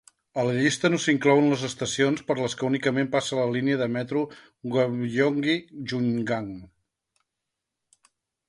A la llista no s'inclouen les estacions per les que únicament passa la línia de metro Gyeongui–Jungang.